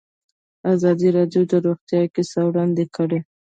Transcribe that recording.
ازادي راډیو د روغتیا کیسې وړاندې کړي.